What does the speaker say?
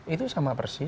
itu sama persis